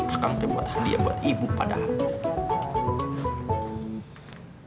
akang udah buat hadiah buat ibu padahal